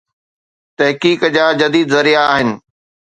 تحقيق جا جديد ذريعا آهن.